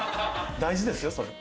大事ですよそれ。